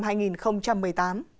điện lực hà nội